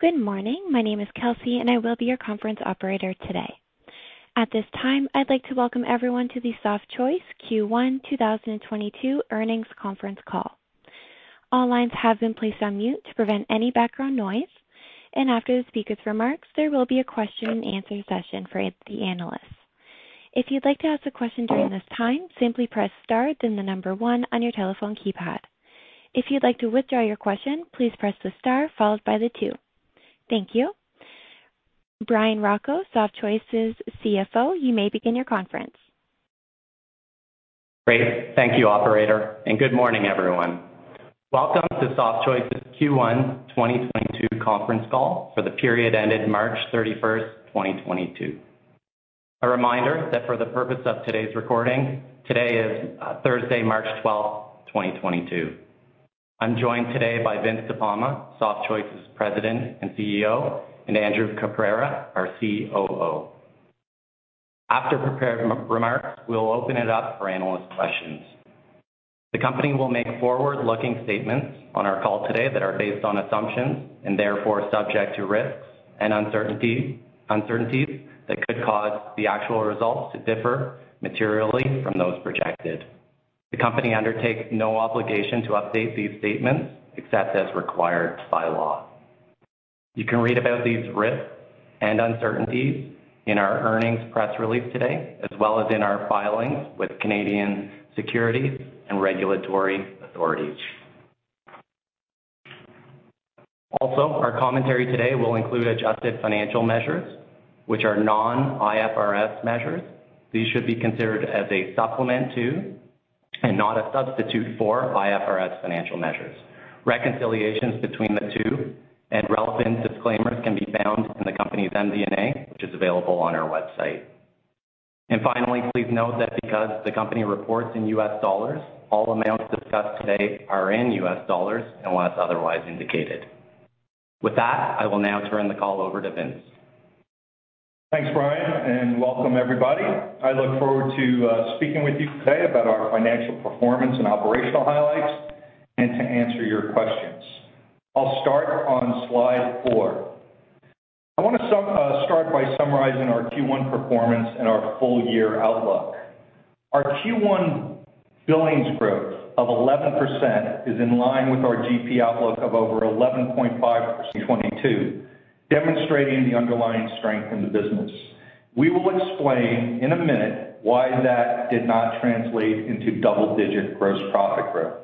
Good morning. My name is Kelsey, and I will be your conference operator today. At this time, I'd like to welcome everyone to the Softchoice Q1 2022 Earnings Conference Call. All lines have been placed on mute to prevent any background noise, and after the speaker's remarks, there will be a question and answer session for the analysts. If you'd like to ask a question during this time, simply press star, then the number one on your telephone keypad. If you'd like to withdraw your question, please press the star followed by the two. Thank you. Bryan Rocco, Softchoice's CFO, you may begin your conference. Great. Thank you, operator, and good morning, everyone. Welcome to Softchoice's Q1 2022 conference call for the period ended March 31st, 2022. A reminder that for the purpose of today's recording, today is Thursday, March 12, 2022. I'm joined today by Vince De Palma, Softchoice's President and CEO, and Andrew Caprara, our COO. After prepared remarks, we'll open it up for analyst questions. The company will make forward-looking statements on our call today that are based on assumptions and therefore subject to risks and uncertainties that could cause the actual results to differ materially from those projected. The company undertakes no obligation to update these statements except as required by law. You can read about these risks and uncertainties in our earnings press release today, as well as in our filings with Canadian securities and regulatory authorities. Also, our commentary today will include adjusted financial measures, which are non-IFRS measures. These should be considered as a supplement to, and not a substitute for, IFRS financial measures. Reconciliations between the two and relevant disclaimers can be found in the company's MD&A, which is available on our website. Finally, please note that because the company reports in U.S. dollars, all amounts discussed today are in U.S. dollars, unless otherwise indicated. With that, I will now turn the call over to Vince. Thanks, Bryan, and welcome everybody. I look forward to speaking with you today about our financial performance and operational highlights and to answer your questions. I'll start on slide 4. I wanna start by summarizing our Q1 performance and our full year outlook. Our Q1 billings growth of 11% is in line with our GP outlook of over 11.5% in 2022, demonstrating the underlying strength in the business. We will explain in a minute why that did not translate into double-digit gross profit growth.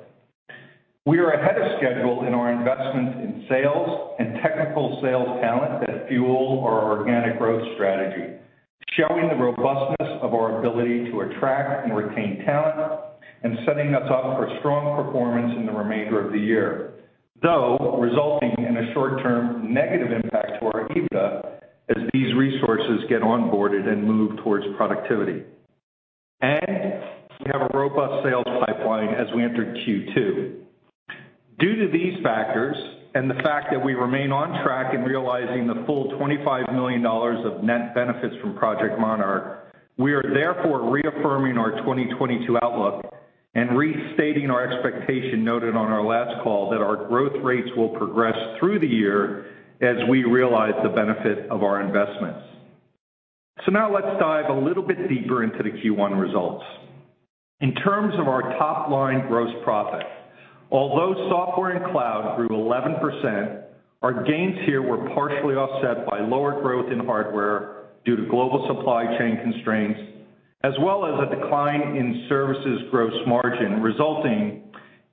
We are ahead of schedule in our investments in sales and technical sales talent that fuel our organic growth strategy, showing the robustness of our ability to attract and retain talent and setting us up for strong performance in the remainder of the year, though resulting in a short-term negative impact to our EBITDA as these resources get onboarded and move towards productivity. We have a robust sales pipeline as we enter Q2. Due to these factors, and the fact that we remain on track in realizing the full $25 million of net benefits from Project Monarch, we are therefore reaffirming our 2022 outlook and restating our expectation noted on our last call that our growth rates will progress through the year as we realize the benefit of our investments. Now let's dive a little bit deeper into the Q1 results. In terms of our top line gross profit, although software and cloud grew 11%, our gains here were partially offset by lower growth in hardware due to global supply chain constraints, as well as a decline in services gross margin, resulting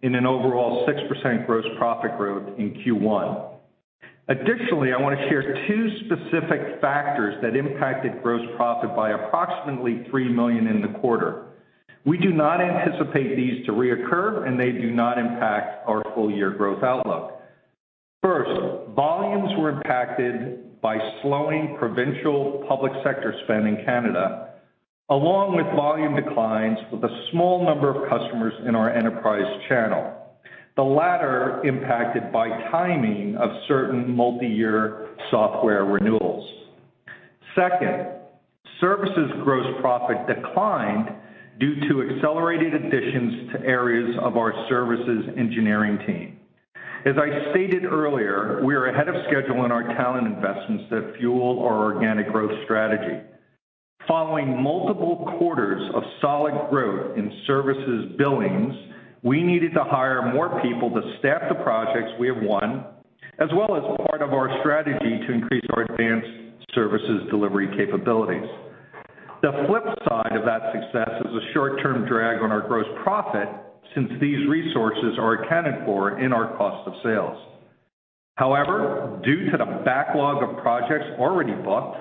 in an overall 6% gross profit growth in Q1. Additionally, I wanna share two specific factors that impacted gross profit by approximately $3 million in the quarter. We do not anticipate these to reoccur, and they do not impact our full year growth outlook. First, volumes were impacted by slowing provincial public sector spend in Canada, along with volume declines with a small number of customers in our enterprise channel, the latter impacted by timing of certain multiyear software renewals. Second, services gross profit declined due to accelerated additions to areas of our services engineering team. As I stated earlier, we are ahead of schedule in our talent investments that fuel our organic growth strategy. Following multiple quarters of solid growth in services billings, we needed to hire more people to staff the projects we have won, as well as part of our strategy to increase our advanced services delivery capabilities. The flip side of that success is a short-term drag on our gross profit since these resources are accounted for in our cost of sales. However, due to the backlog of projects already booked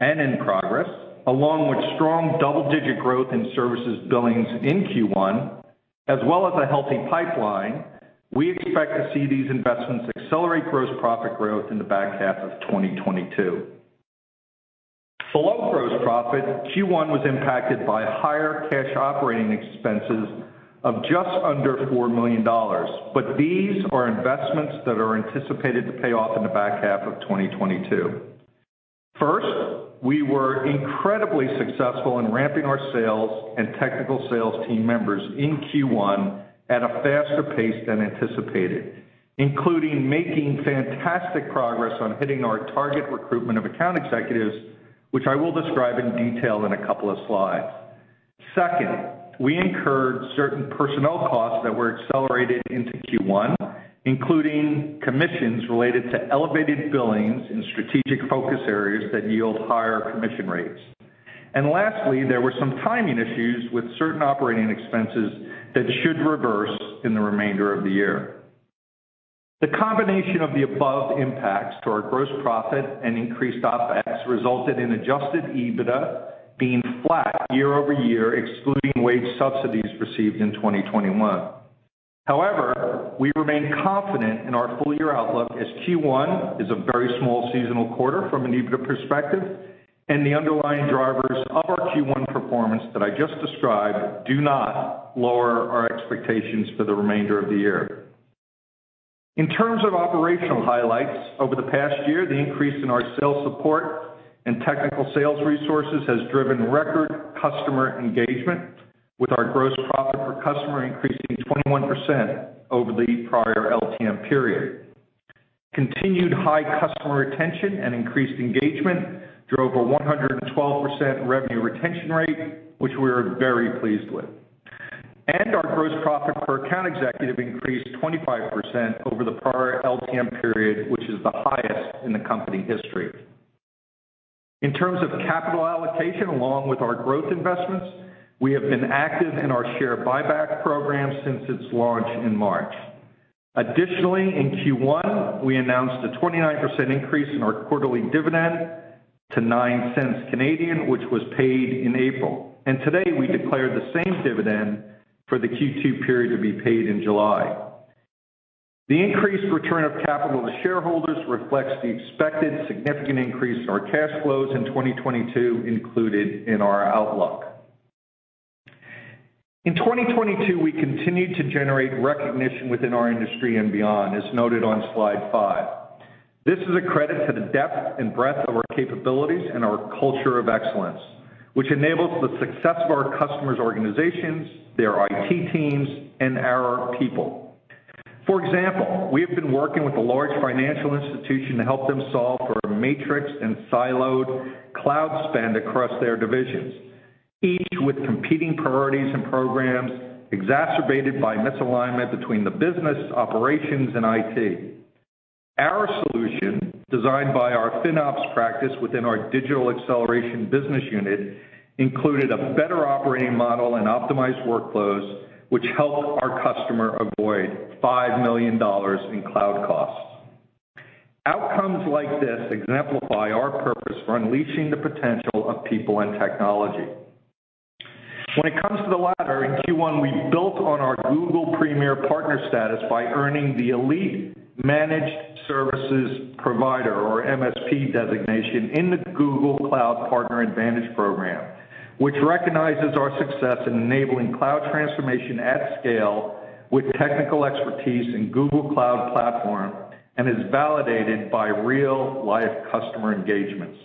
and in progress, along with strong double-digit growth in services billings in Q1, as well as a healthy pipeline, we expect to see these investments accelerate gross profit growth in the back half of 2022. Below gross profit, Q1 was impacted by higher cash operating expenses of just under $4 million, but these are investments that are anticipated to pay off in the back half of 2022. First, we were incredibly successful in ramping our sales and technical sales team members in Q1 at a faster pace than anticipated, including making fantastic progress on hitting our target recruitment of account executives, which I will describe in detail in a couple of slides. Second, we incurred certain personnel costs that were accelerated into Q1, including commissions related to elevated billings in strategic focus areas that yield higher commission rates. Lastly, there were some timing issues with certain operating expenses that should reverse in the remainder of the year. The combination of the above impacts to our gross profit and increased OPEX resulted in adjusted EBITDA being flat year-over-year, excluding wage subsidies received in 2021. However, we remain confident in our full-year outlook as Q1 is a very small seasonal quarter from an EBITDA perspective, and the underlying drivers of our Q1 performance that I just described do not lower our expectations for the remainder of the year. In terms of operational highlights, over the past year, the increase in our sales support and technical sales resources has driven record customer engagement, with our gross profit per customer increasing 21% over the prior LTM period. Continued high customer retention and increased engagement drove a 112% revenue retention rate, which we are very pleased with. Our gross profit per account executive increased 25% over the prior LTM period, which is the highest in the company history. In terms of capital allocation, along with our growth investments, we have been active in our share buyback program since its launch in March. Additionally, in Q1, we announced a 29% increase in our quarterly dividend to 0.09, which was paid in April. Today, we declared the same dividend for the Q2 period to be paid in July. The increased return of capital to shareholders reflects the expected significant increase in our cash flows in 2022 included in our outlook. In 2022, we continued to generate recognition within our industry and beyond, as noted on slide 5. This is a credit to the depth and breadth of our capabilities and our culture of excellence, which enables the success of our customers' organizations, their IT teams, and our people. For example, we have been working with a large financial institution to help them solve for a matrixed and siloed cloud spend across their divisions, each with competing priorities and programs exacerbated by misalignment between the business operations and IT. Our solution, designed by our FinOps practice within our digital acceleration business unit, included a better operating model and optimized workflows, which helped our customer avoid $5 million in cloud costs. Outcomes like this exemplify our purpose for unleashing the potential of people and technology. When it comes to the latter, in Q1, we built on our Google Premier partner status by earning the Elite Managed Services Provider, or MSP designation in the Google Cloud Partner Advantage Program, which recognizes our success in enabling cloud transformation at scale with technical expertise in Google Cloud Platform and is validated by real-life customer engagements.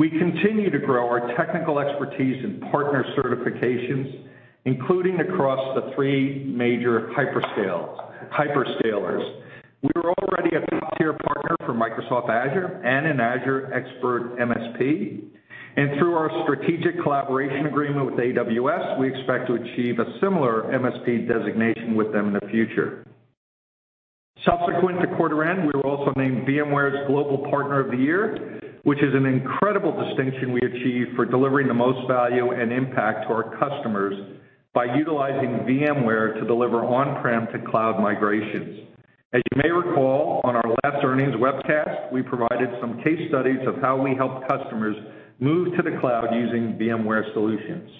We continue to grow our technical expertise in partner certifications, including across the three major hyperscalers. We are already a top-tier partner for Microsoft Azure and an Azure Expert MSP, and through our strategic collaboration agreement with AWS, we expect to achieve a similar MSP designation with them in the future. Subsequent to quarter end, we were also named VMware's Global Partner of the Year, which is an incredible distinction we achieved for delivering the most value and impact to our customers by utilizing VMware to deliver on-prem to cloud migrations. As you may recall, on our last earnings webcast, we provided some case studies of how we help customers move to the cloud using VMware solutions.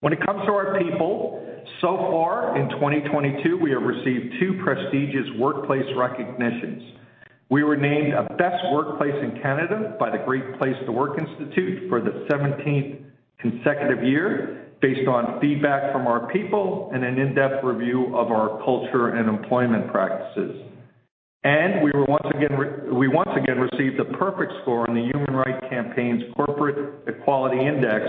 When it comes to our people, so far in 2022, we have received two prestigious workplace recognitions. We were named a Best Workplace in Canada by the Great Place to Work Institute for the seventeenth consecutive year based on feedback from our people and an in-depth review of our culture and employment practices. We once again received a perfect score on the Human Rights Campaign's Corporate Equality Index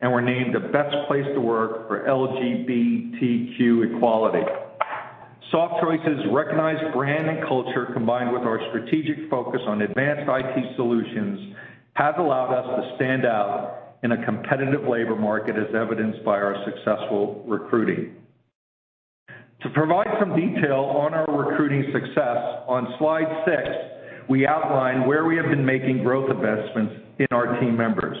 and were named a Best Place to Work for LGBTQ equality. Softchoice's recognized brand and culture, combined with our strategic focus on advanced IT solutions, has allowed us to stand out in a competitive labor market as evidenced by our successful recruiting. To provide some detail on our recruiting success, on slide 6, we outline where we have been making growth investments in our team members.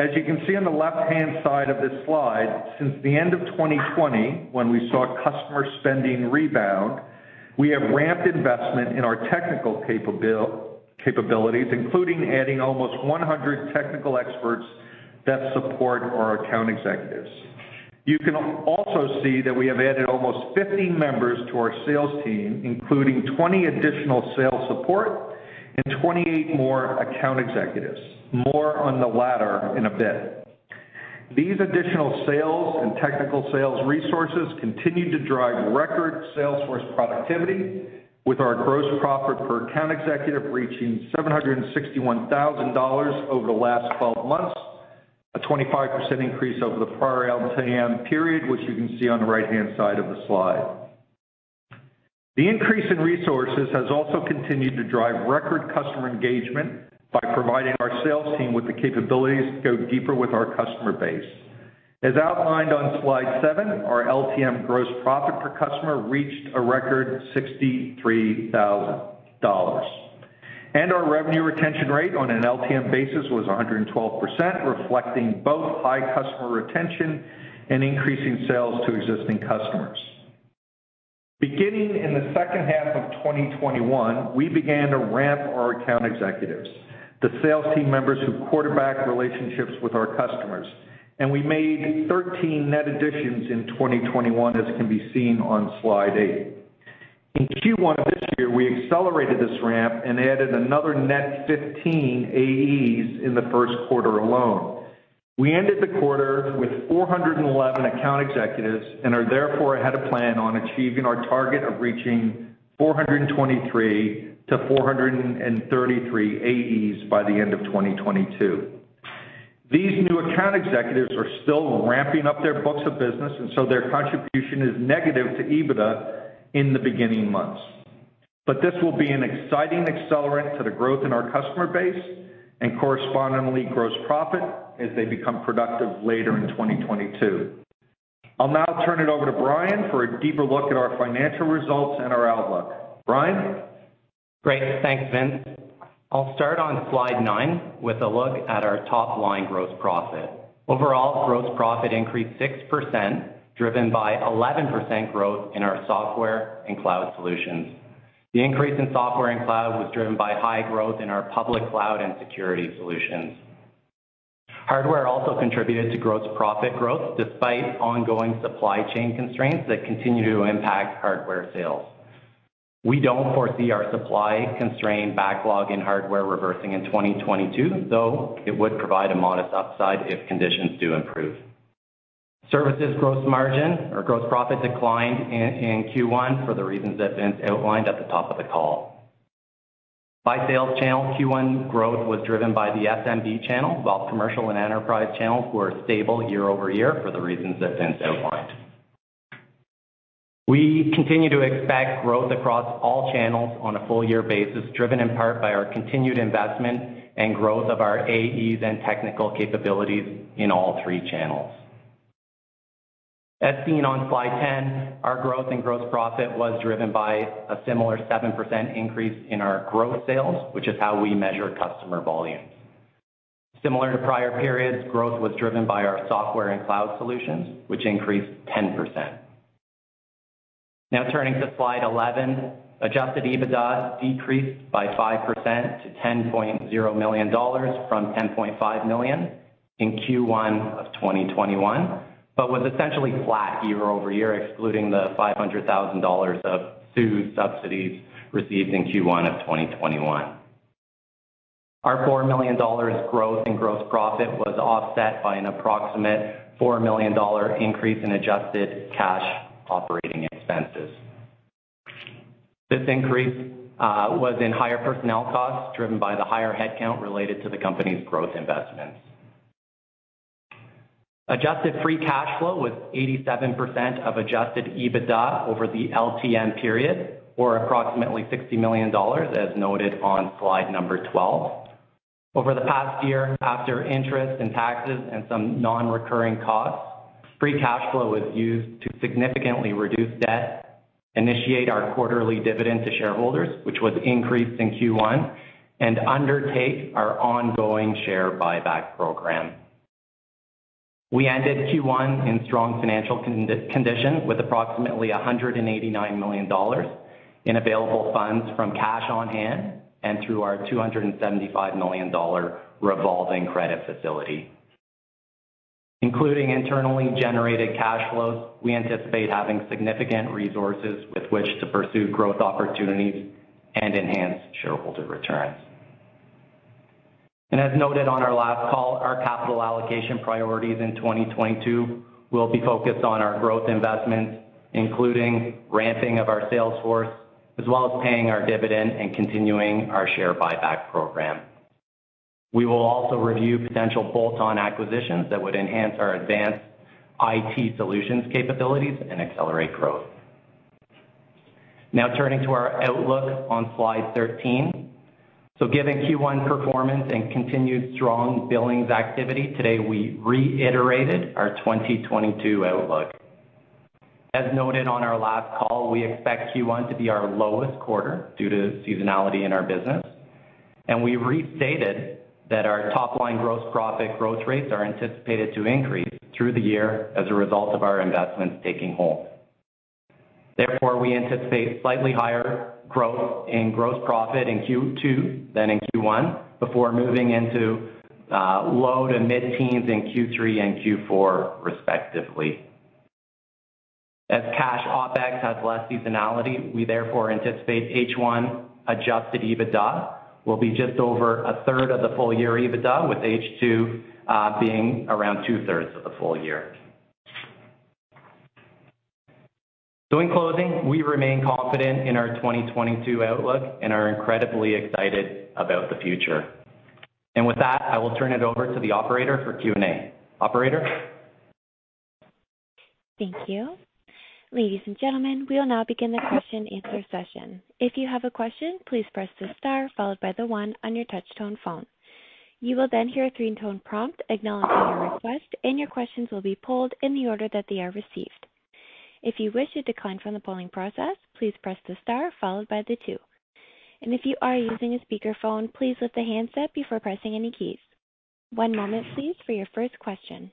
As you can see on the left-hand side of this slide, since the end of 2020, when we saw customer spending rebound, we have ramped investment in our technical capabilities, including adding almost 100 technical experts that support our account executives. You can also see that we have added almost 50 members to our sales team, including 20 additional sales support and 28 more account executives. More on the latter in a bit. These additional sales and technical sales resources continue to drive record sales force productivity with our gross profit per account executive reaching $761,000 over the last 12 months, a 25% increase over the prior LTM period, which you can see on the right-hand side of the slide. The increase in resources has also continued to drive record customer engagement by providing our sales team with the capabilities to go deeper with our customer base. As outlined on slide 7, our LTM gross profit per customer reached a record $63,000, and our revenue retention rate on an LTM basis was 112%, reflecting both high customer retention and increasing sales to existing customers. Beginning in the H2 of 2021, we began to ramp our account executives, the sales team members who quarterback relationships with our customers, and we made 13 net additions in 2021, as can be seen on Slide 8. In Q1 this year, we accelerated this ramp and added another net 15 AEs in the Q1 alone. We ended the quarter with 411 account executives and are therefore ahead of plan on achieving our target of reaching 423-433 AEs by the end of 2022. These new account executives are still ramping up their books of business, and so their contribution is negative to EBITDA in the beginning months. This will be an exciting accelerant to the growth in our customer base and correspondingly gross profit as they become productive later in 2022. I'll now turn it over to Bryan for a deeper look at our financial results and our outlook. Bryan? Great. Thanks, Vince. I'll start on slide nine with a look at our top-line gross profit. Overall, gross profit increased 6%, driven by 11% growth in our software and cloud solutions. The increase in software and cloud was driven by high growth in our public cloud and security solutions. Hardware also contributed to gross profit growth despite ongoing supply chain constraints that continue to impact hardware sales. We don't foresee our supply constraint backlog in hardware reversing in 2022, though it would provide a modest upside if conditions do improve. Services gross margin or gross profit declined in Q1 for the reasons that Vince outlined at the top of the call. By sales channel, Q1 growth was driven by the SMB channel, while commercial and enterprise channels were stable year-over-year for the reasons that Vince outlined. We continue to expect growth across all channels on a full year basis, driven in part by our continued investment and growth of our AEs and technical capabilities in all three channels. As seen on slide 10, our growth in gross profit was driven by a similar 7% increase in our gross sales, which is how we measure customer volumes. Similar to prior periods, growth was driven by our software and cloud solutions, which increased 10%. Now turning to slide 11, adjusted EBITDA decreased by 5% to $10.0 million from $10.5 million in Q1 of 2021, but was essentially flat year-over-year, excluding the $500,000 of CEWS subsidies received in Q1 of 2021. Our $4 million growth in gross profit was offset by an approximate $4 million increase in adjusted cash operating expenses. This increase was in higher personnel costs driven by the higher headcount related to the company's growth investments. Adjusted free cash flow was 87% of adjusted EBITDA over the LTM period, or approximately $60 million, as noted on slide 12. Over the past year, after interest and taxes and some non-recurring costs, free cash flow was used to significantly reduce debt, initiate our quarterly dividend to shareholders, which was increased in Q1, and undertake our ongoing share buyback program. We ended Q1 in strong financial condition with approximately $189 million in available funds from cash on hand and through our $275 million revolving credit facility. Including internally generated cash flows, we anticipate having significant resources with which to pursue growth opportunities and enhance shareholder returns. As noted on our last call, our capital allocation priorities in 2022 will be focused on our growth investments, including ramping of our sales force, as well as paying our dividend and continuing our share buyback program. We will also review potential bolt-on acquisitions that would enhance our advanced IT solutions capabilities and accelerate growth. Now turning to our outlook on slide 13. Given Q1 performance and continued strong billings activity, today, we reiterated our 2022 outlook. As noted on our last call, we expect Q1 to be our lowest quarter due to seasonality in our business, and we restated that our top-line gross profit growth rates are anticipated to increase through the year as a result of our investments taking hold. Therefore, we anticipate slightly higher growth in gross profit in Q2 than in Q1 before moving into low- to mid-teens in Q3 and Q4, respectively. As cash OPEX has less seasonality, we therefore anticipate H1 adjusted EBITDA will be just over a third of the full year EBITDA, with H2 being around two-thirds of the full year. In closing, we remain confident in our 2022 outlook and are incredibly excited about the future. With that, I will turn it over to the operator for Q&A. Operator? Thank you. Ladies and gentlemen, we will now begin the question and answer session. If you have a question, please press the star followed by the one on your touch tone phone. You will then hear a three-tone prompt acknowledging your request, and your questions will be pulled in the order that they are received. If you wish to decline from the polling process, please press the star followed by the two. If you are using a speakerphone, please lift the handset before pressing any keys. One moment please for your first question.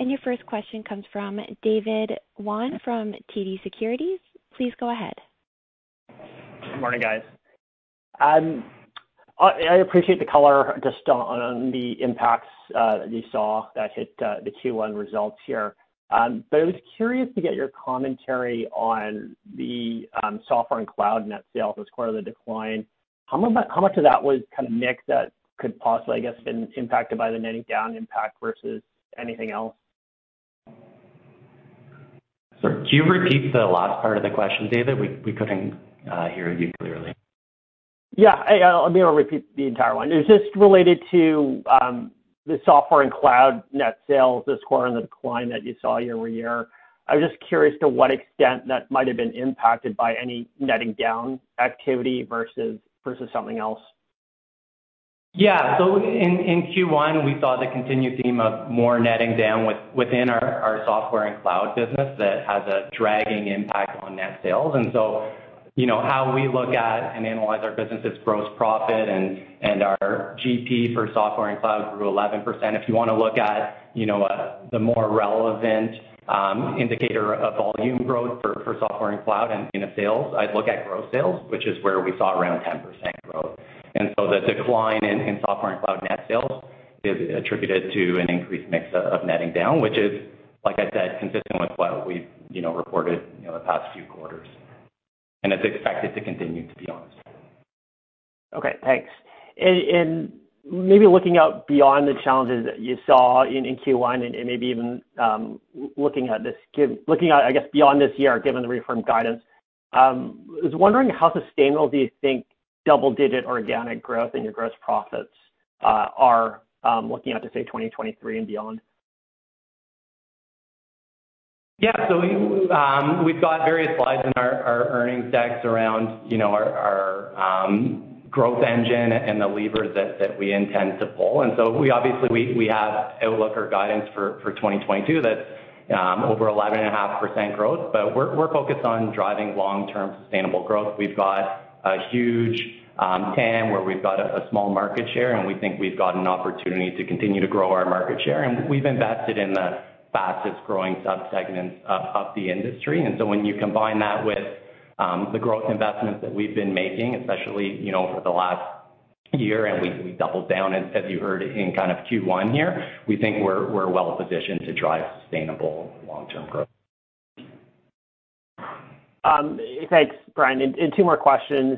Your first question comes from David Kwan from TD Securities. Please go ahead. Good morning, guys. I appreciate the color just on the impacts that you saw that hit the Q1 results here. I was curious to get your commentary on the software and cloud net sales as part of the decline. How much of that was kind of mix that could possibly, I guess, been impacted by the netting down impact versus anything else? Sorry. Could you repeat the last part of the question, David? We couldn't hear you clearly. Yeah. I maybe I'll repeat the entire one. It was just related to the software and cloud net sales, the sharp decline that you saw year-over-year. I was just curious to what extent that might have been impacted by any netting down activity versus something else. Yeah. In Q1, we saw the continued theme of more netting down within our software and cloud business that has a dragging impact on net sales. You know, how we look at and analyze our business is gross profit and our GP for software and cloud grew 11%. If you wanna look at, you know, the more relevant indicator of volume growth for software and cloud and unit sales, I'd look at gross sales, which is where we saw around 10% growth. The decline in software and cloud net sales is attributed to an increased mix of netting down, which is, like I said, consistent with what we've, you know, reported, you know, the past few quarters. It's expected to continue to be honest. Okay, thanks. Maybe looking out beyond the challenges that you saw in Q1 and maybe even looking at, I guess, beyond this year, given the reaffirmed guidance, I was wondering how sustainable do you think double-digit organic growth in your gross profits are looking out to, say, 2023 and beyond? Yeah. We’ve got various slides in our earnings decks around, you know, our growth engine and the levers that we intend to pull. We obviously have outlook or guidance for 2022 that’s over 11.5% growth. We’re focused on driving long-term sustainable growth. We’ve got a huge TAM where we’ve got a small market share, and we think we’ve got an opportunity to continue to grow our market share. We’ve invested in the fastest growing subsegments of the industry. When you combine that with the growth investments that we’ve been making, especially over the last year, and we doubled down as you heard in kind of Q1 here, we think we’re well positioned to drive sustainable long-term growth. Thanks, Bryan. Two more questions.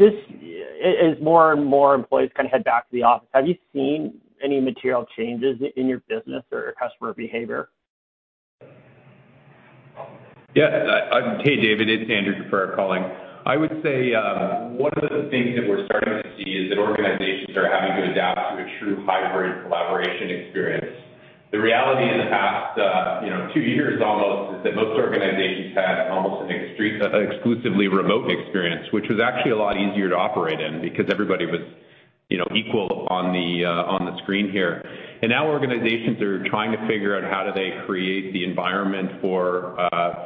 Just as more and more employees kinda head back to the office, have you seen any material changes in your business or customer behavior? Yeah. Hey, David, it's Andrew Caprara calling. I would say one of the things that we're starting to see is that organizations are having to adapt to a true hybrid collaboration experience. The reality in the past, you know, two years almost, is that most organizations had almost an exclusively remote experience, which was actually a lot easier to operate in because everybody was, you know, equal on the on the screen here. Now organizations are trying to figure out how do they create the environment for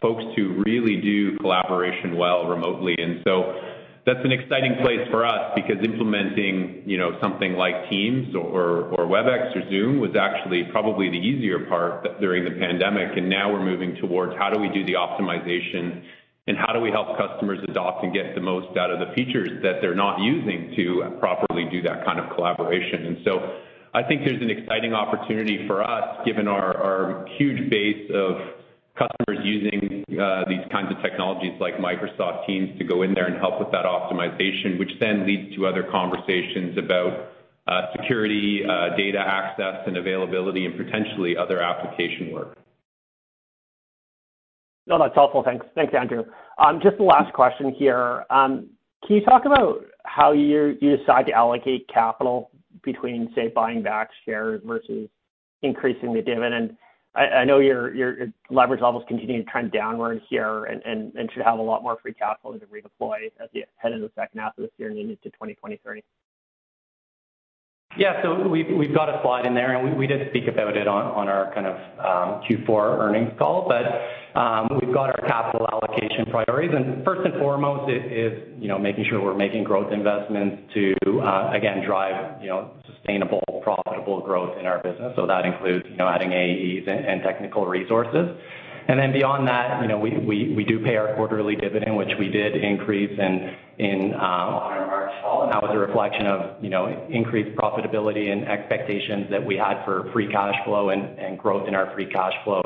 folks to really do collaboration well remotely. That's an exciting place for us because implementing, you know, something like Teams or Webex or Zoom was actually probably the easier part during the pandemic. Now we're moving towards how do we do the optimization and how do we help customers adopt and get the most out of the features that they're not using to properly do that kind of collaboration. I think there's an exciting opportunity for us, given our huge base of customers using these kinds of technologies like Microsoft Teams to go in there and help with that optimization, which then leads to other conversations about security, data access and availability and potentially other application work. No, that's helpful. Thanks. Thanks, Andrew. Just the last question here. Can you talk about how you decide to allocate capital between, say, buying back shares versus increasing the dividend? I know your leverage levels continue to trend downward here and should have a lot more free capital to redeploy as you head into the H2 of this year and into 2023. Yeah. We've got a slide in there, and we did speak about it on our kind of Q4 earnings call. We've got our capital allocation priorities. First and foremost is you know making sure we're making growth investments to again drive you know sustainable profitable growth in our business. That includes you know adding AEs and technical resources. Then beyond that you know we do pay our quarterly dividend which we did increase in on our March call and that was a reflection of you know increased profitability and expectations that we had for free cash flow and growth in our free cash flow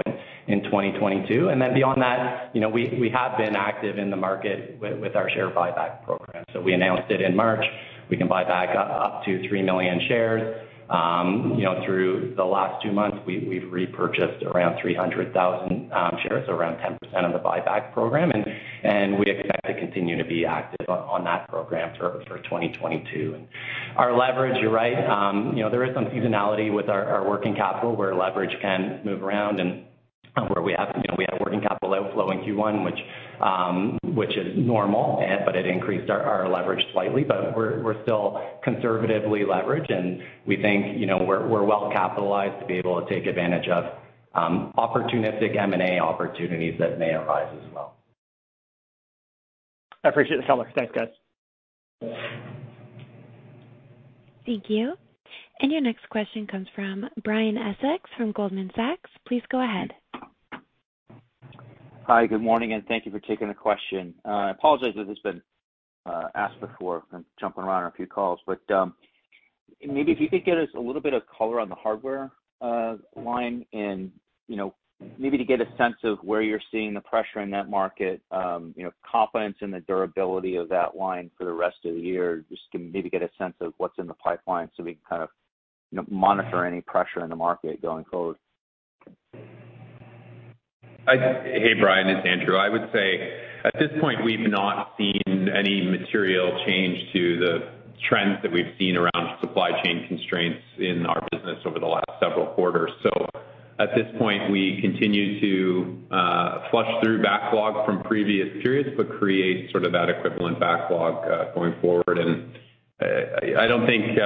in 2022. Then beyond that you know we have been active in the market with our share buyback program. We announced it in March. We can buy back up to 3 million shares. You know, through the last two months, we've repurchased around 300,000 shares, so around 10% of the buyback program, and we expect to continue to be active on that program for 2022. Our leverage, you're right. You know, there is some seasonality with our working capital where leverage can move around and where we have, you know, we had working capital outflow in Q1, which is normal, but it increased our leverage slightly. We're still conservatively leveraged, and we think, you know, we're well capitalized to be able to take advantage of opportunistic M&A opportunities that may arise as well. I appreciate the color. Thanks, guys. Thank you. Your next question comes from Brian Essex from Goldman Sachs. Please go ahead. Hi, good morning, and thank you for taking the question. I apologize if this has been asked before. I'm jumping around on a few calls. Maybe if you could give us a little bit of color on the hardware line and, you know, maybe to get a sense of where you're seeing the pressure in that market, you know, confidence in the durability of that line for the rest of the year, just to maybe get a sense of what's in the pipeline so we can kind of, you know, monitor any pressure in the market going forward. Hey, Brian, it's Andrew. I would say at this point, we've not seen any material change to the trends that we've seen around supply chain constraints in our business over the last several quarters. At this point, we continue to flush through backlog from previous periods, but create sort of that equivalent backlog going forward. I don't think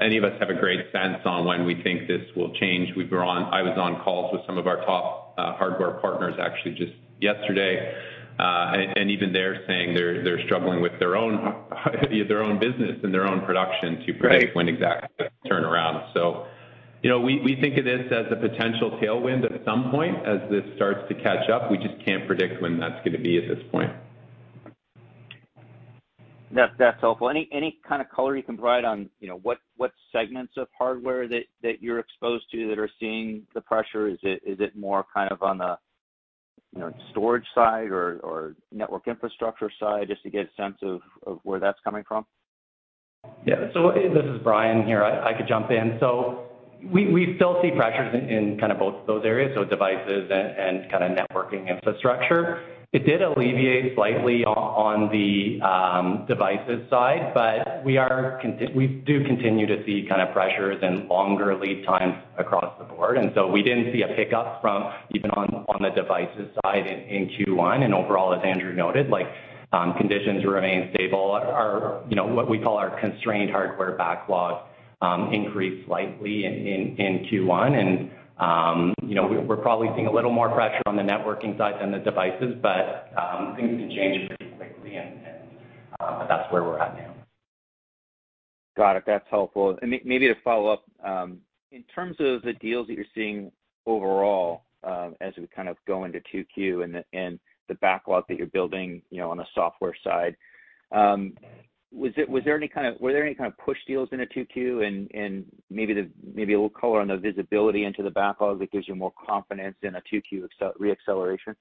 any of us have a great sense on when we think this will change. I was on calls with some of our top hardware partners actually just yesterday, and even they're saying they're struggling with their own business and their own production to predict when exactly it's gonna turn around. You know, we think of this as a potential tailwind at some point as this starts to catch up. We just can't predict when that's gonna be at this point. That's helpful. Any kind of color you can provide on, you know, what segments of hardware that you're exposed to that are seeing the pressure? Is it more kind of on the, you know, storage side or network infrastructure side, just to get a sense of where that's coming from? Yeah. This is Bryan here. I could jump in. We still see pressures in kind of both of those areas, so devices and kind of networking infrastructure. It did alleviate slightly on the devices side, but we do continue to see kind of pressures and longer lead times across the board, and so we didn't see a pickup from even on the devices side in Q1. Overall, as Andrew noted, like, conditions remain stable. Our, you know, what we call our constrained hardware backlog, increased slightly in Q1. You know, we're probably seeing a little more pressure on the networking side than the devices, but things can change pretty quickly, but that's where we're at now. Got it. That's helpful. Maybe to follow up, in terms of the deals that you're seeing overall, as we kind of go into 2Q and the backlog that you're building, you know, on the software side, were there any kind of push deals into 2Q and maybe a little color on the visibility into the backlog that gives you more confidence in a 2Q reacceleration?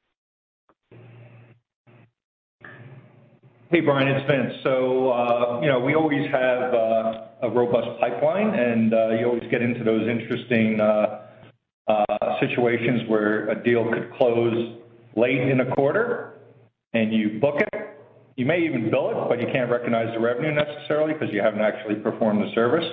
Hey, Brian, it's Vince. You know, we always have a robust pipeline, and you always get into those interesting situations where a deal could close late in a quarter and you book it. You may even bill it, but you can't recognize the revenue necessarily because you haven't actually performed the service.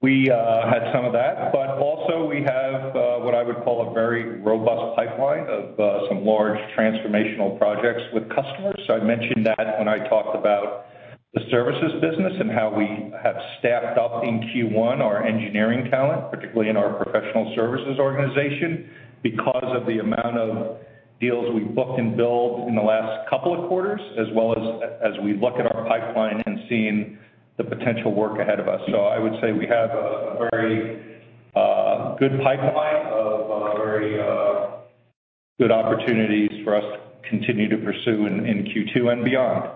We had some of that. Also we have what I would call a very robust pipeline of some large transformational projects with customers. I mentioned that when I talked about the services business and how we have staffed up in Q1 our engineering talent, particularly in our professional services organization, because of the amount of deals we've booked and billed in the last couple of quarters, as well as we look at our pipeline and seeing the potential work ahead of us. I would say we have a very good pipeline of very good opportunities for us to continue to pursue in Q2 and beyond.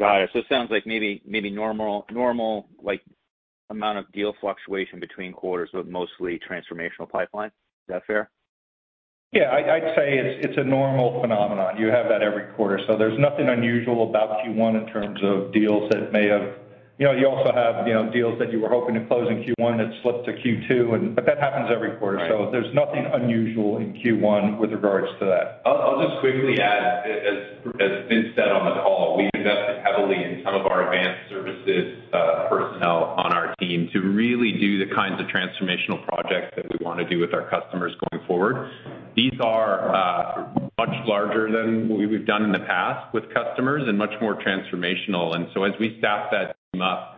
Got it. It sounds like maybe normal, like, amount of deal fluctuation between quarters, but mostly transformational pipeline. Is that fair? Yeah. I'd say it's a normal phenomenon. You have that every quarter. There's nothing unusual about Q1 in terms of deals that may have. You know, you also have, you know, deals that you were hoping to close in Q1 that slipped to Q2, but that happens every quarter. Right. There's nothing unusual in Q1 with regards to that. I'll just quickly add, as Vince said on the call, we've invested heavily in some of our advanced services, personnel on our team to really do the kinds of transformational projects that we wanna do with our customers going forward. These are much larger than what we've done in the past with customers and much more transformational. As we staff that team up,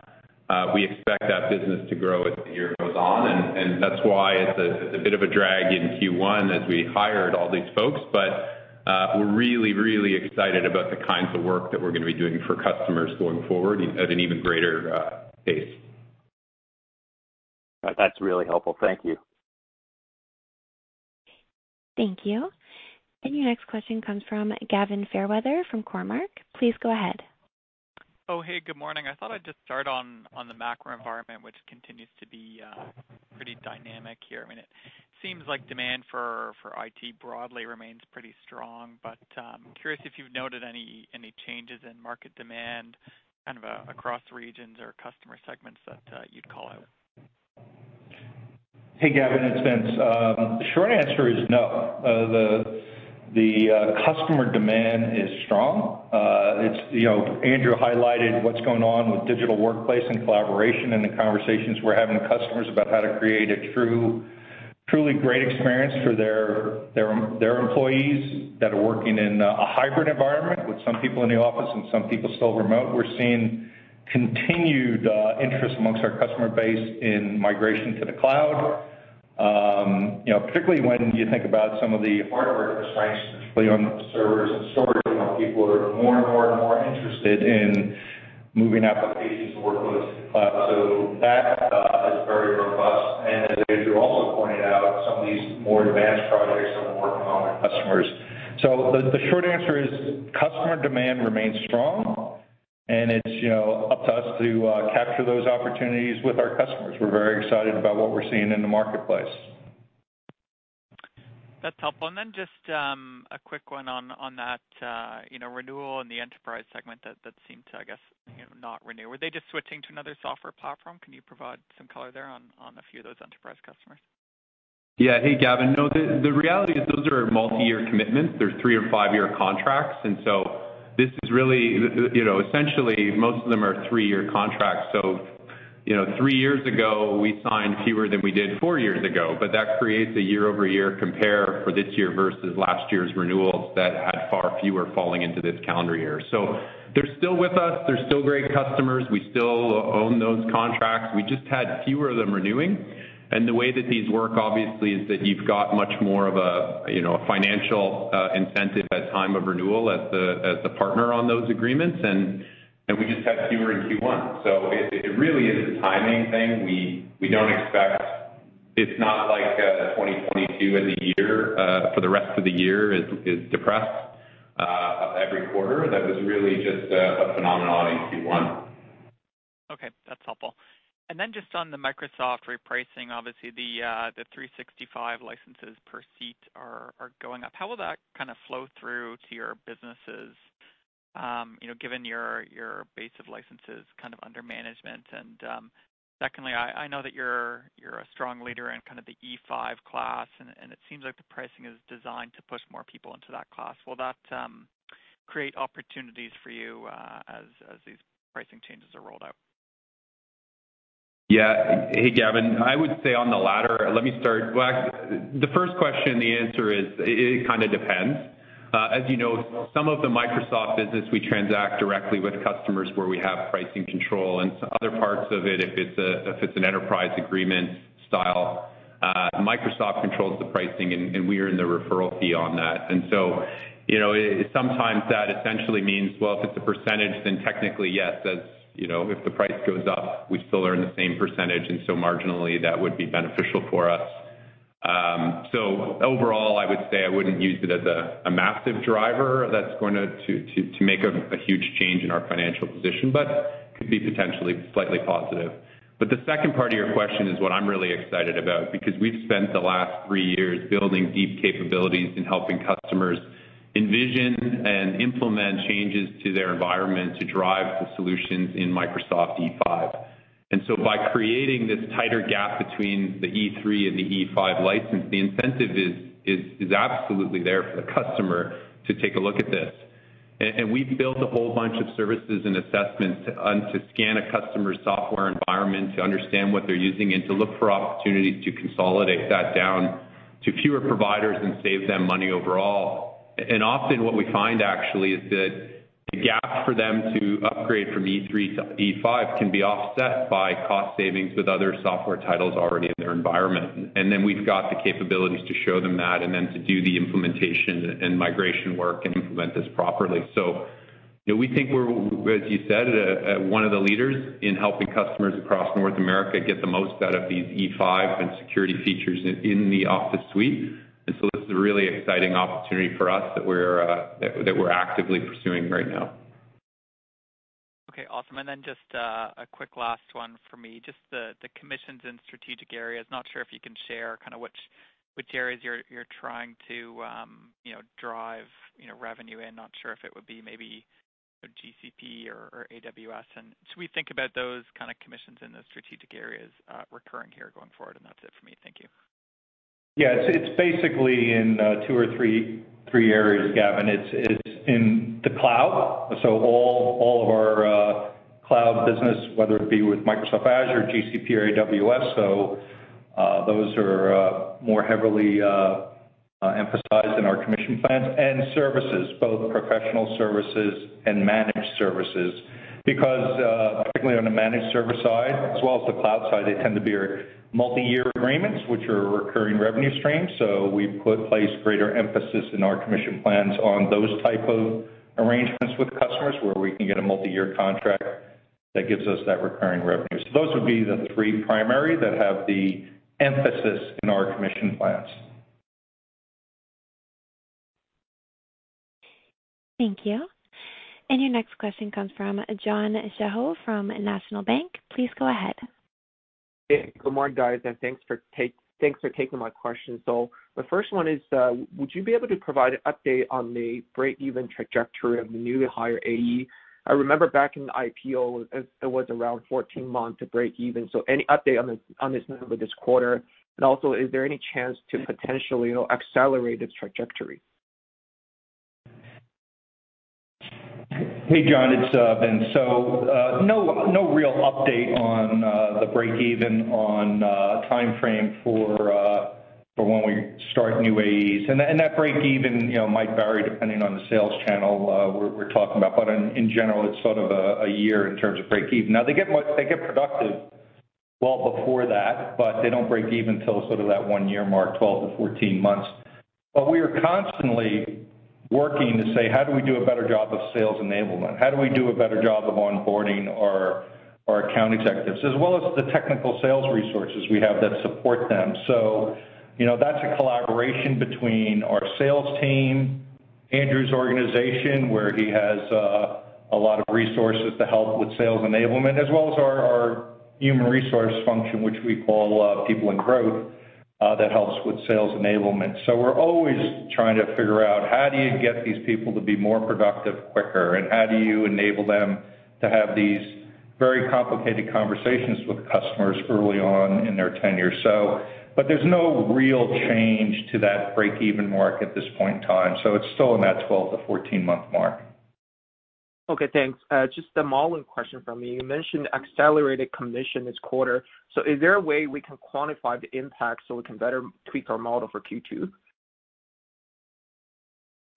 we expect that business to grow as the year goes on. That's why it's a bit of a drag in Q1 as we hired all these folks. We're really excited about the kinds of work that we're gonna be doing for customers going forward at an even greater pace. That's really helpful. Thank you. Thank you. Your next question comes from Gavin Fairweather from Cormark. Please go ahead. Oh, hey, good morning. I thought I'd just start on the macro environment, which continues to be pretty dynamic here. I mean, it seems like demand for IT broadly remains pretty strong. Curious if you've noted any changes in market demand, kind of across regions or customer segments that you'd call out. Hey, Gavin, it's Vince. Short answer is no. Customer demand is strong. It's, you know, Andrew highlighted what's going on with digital workplace and collaboration and the conversations we're having with customers about how to create a truly great experience for their employees that are working in a hybrid environment with some people in the office and some people still remote. We're seeing continued interest amongst our customer base in migration to the cloud. You know, particularly when you think about some of the hardware constraints, particularly on servers and storage, you know, people are more and more interested in moving applications and workloads to cloud. So that is very robust. As Andrew also pointed out, some of these more advanced projects that we're working on with customers. The short answer is customer demand remains strong, and it's, you know, up to us to capture those opportunities with our customers. We're very excited about what we're seeing in the marketplace. That's helpful. Then just a quick one on that, you know, renewal in the enterprise segment that seemed to, I guess, you know, not renew. Were they just switching to another software platform? Can you provide some color there on a few of those enterprise customers? Yeah. Hey, Gavin. No, the reality is those are multi-year commitments. They're three or five-year contracts, this is really, you know, essentially, most of them are three-year contracts. You know, three years ago, we signed fewer than we did four years ago, but that creates a year-over-year compare for this year versus last year's renewals that had far fewer falling into this calendar year. They're still with us. They're still great customers. We still own those contracts. We just had fewer of them renewing. The way that these work, obviously, is that you've got much more of a, you know, a financial incentive at time of renewal as the partner on those agreements, and we just had fewer in Q1. It really is a timing thing. We don't expect. It's not like 2022 as a year for the rest of the year is depressed every quarter. That was really just a phenomenon in Q1. Okay, that's helpful. Just on the Microsoft repricing, obviously the 365 licenses per seat are going up. How will that kinda flow through to your businesses, you know, given your base of licenses kind of under management? Secondly, I know that you're a strong leader in kind of the E5 class, and it seems like the pricing is designed to push more people into that class. Will that create opportunities for you, as these pricing changes are rolled out? Yeah. Hey, Gavin. I would say on the latter, the first question, the answer is it kinda depends. As you know, some of the Microsoft business we transact directly with customers where we have pricing control, and other parts of it, if it's an enterprise agreement style, Microsoft controls the pricing and we earn the referral fee on that. You know, it sometimes that essentially means, if it's a percentage, then technically yes, as you know, if the price goes up, we still earn the same percentage, and so marginally that would be beneficial for us. Overall, I would say I wouldn't use it as a massive driver that's going to to make a huge change in our financial position, but could be potentially slightly positive. The second part of your question is what I'm really excited about because we've spent the last three years building deep capabilities in helping customers envision and implement changes to their environment to drive to solutions in Microsoft E5. By creating this tighter gap between the E3 and the E5 license, the incentive is absolutely there for the customer to take a look at this. We've built a whole bunch of services and assessments to scan a customer's software environment to understand what they're using and to look for opportunities to consolidate that down to fewer providers and save them money overall. Often what we find actually is that the gap for them to upgrade from E3 to E5 can be offset by cost savings with other software titles already in their environment. We've got the capabilities to show them that and then to do the implementation and migration work and implement this properly. You know, we think we're, as you said, one of the leaders in helping customers across North America get the most out of these E5 and security features in the Office suite. This is a really exciting opportunity for us that we're actively pursuing right now. Okay, awesome. Just a quick last one for me. Just the commissions in strategic areas. Not sure if you can share kinda which areas you're trying to you know drive you know revenue in. Not sure if it would be maybe GCP or AWS. Should we think about those kinda commissions in those strategic areas recurring here going forward? That's it for me. Thank you. Yeah. It's basically in two or three areas, Gavin. It's in the cloud, so all of our cloud business, whether it be with Microsoft Azure, GCP or AWS. Those are more heavily emphasized in our commission plans. Services, both professional services and managed services. Because particularly on the managed service side as well as the cloud side, they tend to be multi-year agreements, which are recurring revenue streams. We place greater emphasis in our commission plans on those type of arrangements with customers, where we can get a multi-year contract that gives us that recurring revenue. Those would be the three primary that have the emphasis in our commission plans. Thank you. Your next question comes from John Shao from National Bank. Please go ahead. Hey, good morning, guys, and thanks for taking my question. The first one is, would you be able to provide an update on the break even trajectory of the new higher AE? I remember back in the IPO, it was around 14 months to break even. Any update on this, on this number this quarter? Also is there any chance to potentially accelerate this trajectory? Hey, John, it's Vince. No real update on the break even timeframe for when we start new AEs. That break even, you know, might vary depending on the sales channel we're talking about. In general, it's sort of a year in terms of break even. Now they get productive well before that, but they don't break even till sort of that one-year mark, 12-14 months. We are constantly working to say, how do we do a better job of sales enablement? How do we do a better job of onboarding our account executives as well as the technical sales resources we have that support them. you know, that's a collaboration between our sales team, Andrew's organization, where he has a lot of resources to help with sales enablement, as well as our human resource function, which we call people and growth, that helps with sales enablement. We're always trying to figure out how do you get these people to be more productive quicker, and how do you enable them to have these very complicated conversations with customers early on in their tenure. There's no real change to that break even mark at this point in time. It's still in that 12-14 month mark. Okay, thanks. Just a modeling question from me. You mentioned accelerated commission this quarter. Is there a way we can quantify the impact so we can better tweak our model for Q2?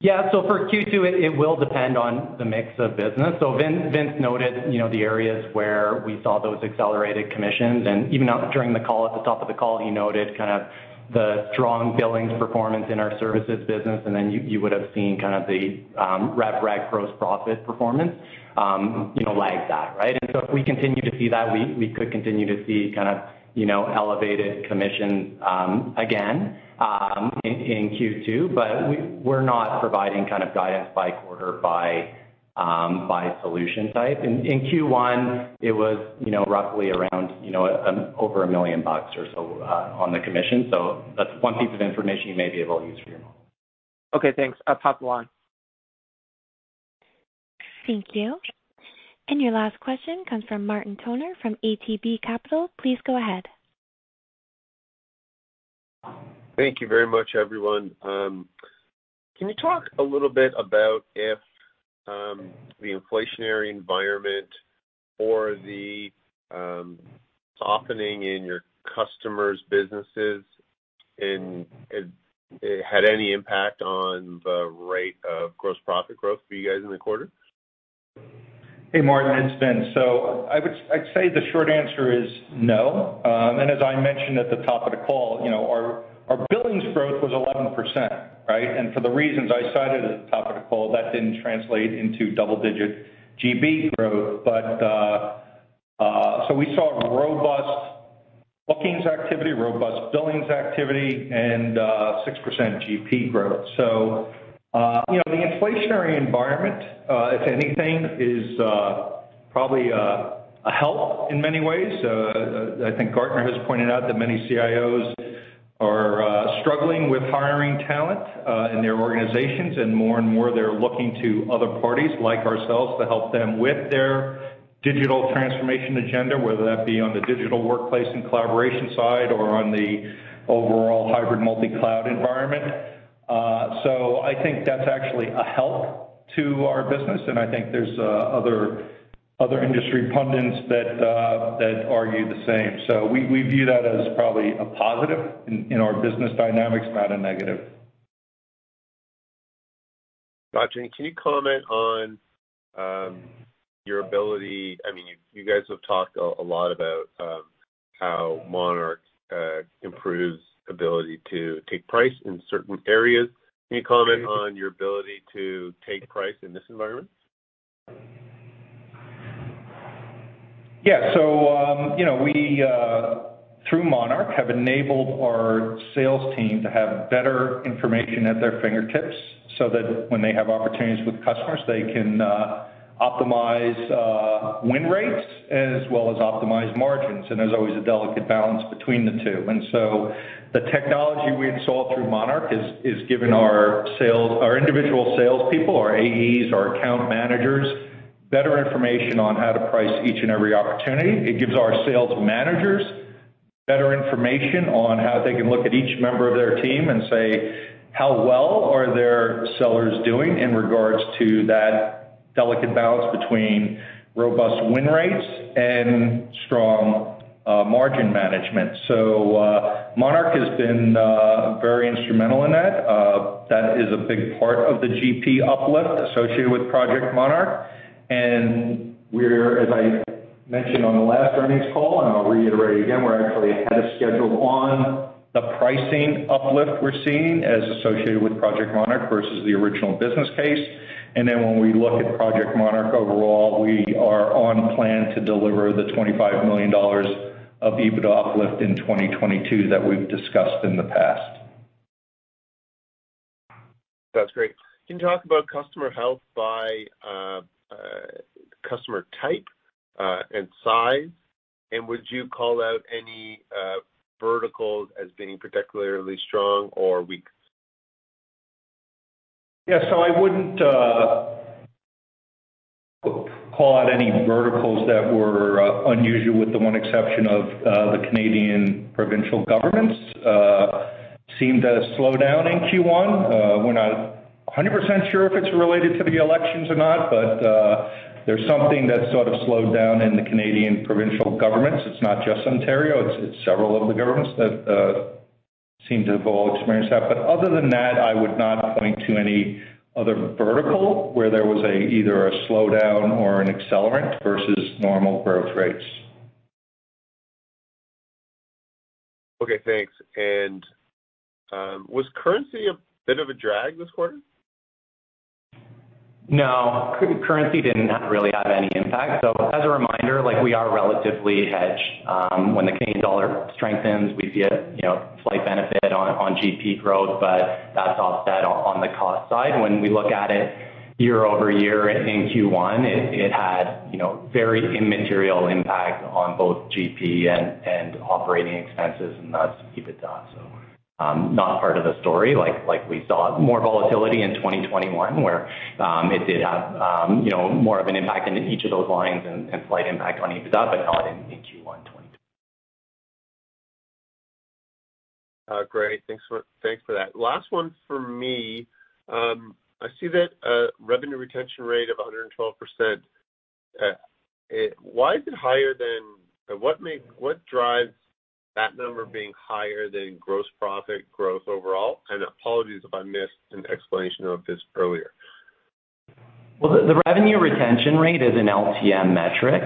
Yeah. For Q2, it will depend on the mix of business. Vince noted, you know, the areas where we saw those accelerated commissions. Even during the call, at the top of the call, he noted kind of the strong billings performance in our services business, and then you would have seen kind of the rev rec gross profit performance, you know, like that, right? If we continue to see that, we could continue to see kind of, you know, elevated commissions, again, in Q2. We're not providing kind of guidance by quarter by solution type. In Q1, it was, you know, roughly around, you know, over $1 million or so on the commission. That's one piece of information you may be able to use for your model. Okay, thanks. Top line. Thank you. Your last question comes from Martin Toner from ATB Capital Markets. Please go ahead. Thank you very much, everyone. Can you talk a little bit about if the inflationary environment or the softening in your customers' businesses had any impact on the rate of gross profit growth for you guys in the quarter? Hey, Martin, it's Vince. I'd say the short answer is no. As I mentioned at the top of the call, you know, our billings growth was 11%, right? For the reasons I cited at the top of the call, that didn't translate into double-digit GP growth. We saw robust bookings activity, robust billings activity, and 6% GP growth. You know, the inflationary environment, if anything, is probably a help in many ways. I think Gartner has pointed out that many CIOs are struggling with hiring talent in their organizations, and more and more, they're looking to other parties like ourselves to help them with their digital transformation agenda, whether that be on the digital workplace and collaboration side or on the overall hybrid multi-cloud environment. I think that's actually a help to our business, and I think there's other industry pundits that argue the same. We view that as probably a positive in our business dynamics, not a negative. Got you. Can you comment on your ability? I mean, you guys have talked a lot about how Monarch improves ability to take price in certain areas. Can you comment on your ability to take price in this environment? Yeah. You know, we through Monarch have enabled our sales team to have better information at their fingertips so that when they have opportunities with customers, they can optimize win rates as well as optimize margins. There's always a delicate balance between the two. The technology we installed through Monarch has given our sales, our individual salespeople, our AEs, our account managers, better information on how to price each and every opportunity. It gives our sales managers better information on how they can look at each member of their team and say, how well are their sellers doing in regards to that delicate balance between robust win rates and strong margin management. Monarch has been very instrumental in that. That is a big part of the GP uplift associated with Project Monarch. We're, as I mentioned on the last earnings call, and I'll reiterate again, we're actually ahead of schedule on the pricing uplift we're seeing as associated with Project Monarch versus the original business case. Then when we look at Project Monarch overall, we are on plan to deliver the $25 million of EBITDA uplift in 2022 that we've discussed in the past. That's great. Can you talk about customer health by customer type and size? Would you call out any verticals as being particularly strong or weak? Yeah. I wouldn't call out any verticals that were unusual with the one exception of the Canadian provincial governments seemed to slow down in Q1. We're not 100% sure if it's related to the elections or not, but there's something that sort of slowed down in the Canadian provincial governments. It's not just Ontario, it's several of the governments that seem to have all experienced that. Other than that, I would not point to any other vertical where there was either a slowdown or an accelerant versus normal growth rates. Okay. Thanks. Was currency a bit of a drag this quarter? No. Currency didn't have really any impact. As a reminder, like, we are relatively hedged. When the Canadian dollar strengthens, we see a, you know, slight benefit on GP growth, but that's offset on the cost side. When we look at it year-over-year in Q1, it had, you know, very immaterial impact on both GP and operating expenses, and thus EBITDA. Not part of the story. Like we saw more volatility in 2021 where it did have, you know, more of an impact in each of those lines and slight impact on EBITDA, but not in Q1 2022. Great. Thanks for that. Last one for me. I see that revenue retention rate of 112%. Why is it higher than what drives that number being higher than gross profit growth overall? Apologies if I missed an explanation of this earlier. The revenue retention rate is an LTM metric.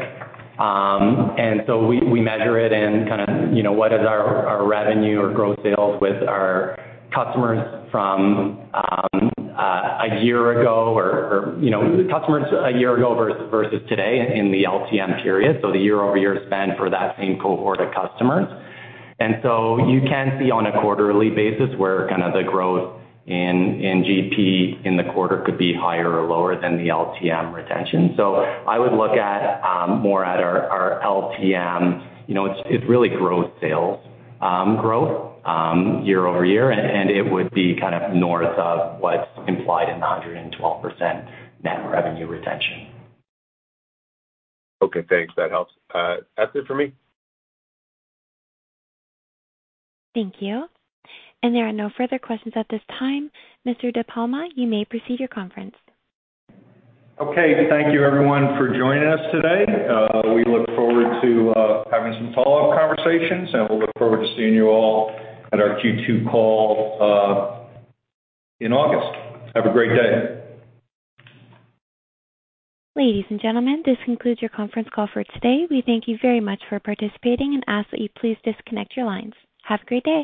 We measure it in kind of, you know, what is our revenue or growth sales with our customers from a year ago or, you know, customers a year ago versus today in the LTM period, so the year-over-year spend for that same cohort of customers. You can see on a quarterly basis where kind of the growth in GP in the quarter could be higher or lower than the LTM retention. I would look at more at our LTM. You know, it's really growth sales, growth, year-over-year, and it would be kind of north of what's implied in the 112% net revenue retention. Okay. Thanks. That helps. That's it for me. Thank you. There are no further questions at this time. Mr. De Palma, you may proceed your conference. Okay. Thank you everyone for joining us today. We look forward to having some follow-up conversations, and we'll look forward to seeing you all at our Q2 call in August. Have a great day. Ladies and gentlemen, this concludes your conference call for today. We thank you very much for participating and ask that you please disconnect your lines. Have a great day.